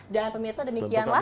dan pemirsa demikianlah